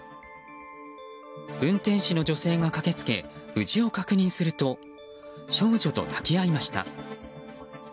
運転士の女性が駆けつけ無事を確認すると少女と抱き合いました。